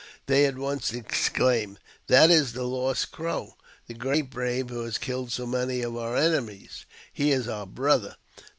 They at once exclaimed, " That is the lost Crow, the great brave who has killed so many of our enemies. He is our brother."